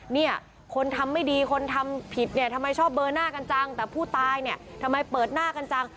เนี่ยคนทำไม่ดีคนทำผิดเนี่ยทำไมชอบเบอร์หน้ากันจังแต่ผู้ตายเนี่ยทำไมเปิดหน้ากันจัง